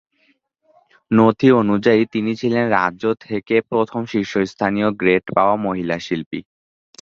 নথি অনুযায়ী, তিনি ছিলেন রাজ্য থেকে প্রথম শীর্ষস্থানীয় গ্রেড পাওয়া মহিলা শিল্পী।